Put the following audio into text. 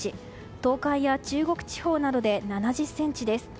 東海や中国地方などで７０ｃｍです。